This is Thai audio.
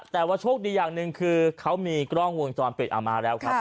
แต่ว่าโชคดีอย่างหนึ่งคือเขามีกล้องวงจรปิดเอามาแล้วครับ